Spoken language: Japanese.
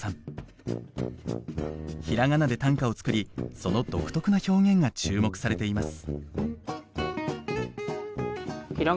ひらがなで短歌を作りその独特な表現が注目されています。